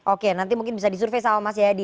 oke nanti mungkin bisa disurvey sama mas yayadi